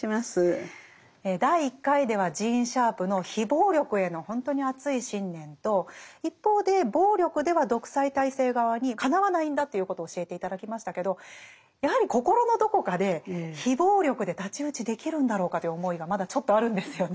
第１回ではジーン・シャープの非暴力へのほんとに熱い信念と一方で暴力では独裁体制側にかなわないんだということを教えて頂きましたけどやはり心のどこかで非暴力で太刀打ちできるんだろうかという思いがまだちょっとあるんですよね。